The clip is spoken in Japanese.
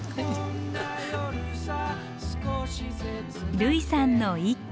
類さんの一句。